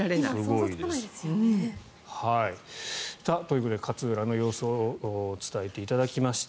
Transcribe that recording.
想像つかないですよね。ということで勝浦の様子を伝えていただきました。